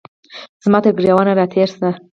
زما ترګریوان را تیر شي